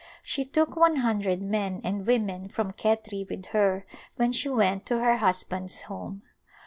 She took one hundred men and women from Khetri with her when she went to her husband's home.